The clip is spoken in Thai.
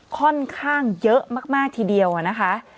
ค่อนข้างเยอะมากทีเดียวนะคะ